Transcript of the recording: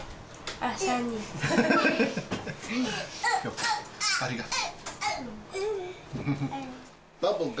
ありがとう。